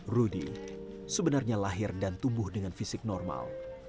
rudy sebenarnya lahir dan tumbuh dengan fisik normal